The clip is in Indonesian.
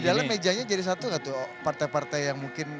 di dalam mejanya jadi satu nggak tuh partai partai yang mungkin